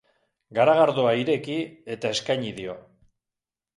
Garagardoa ireki eta eskaini dio.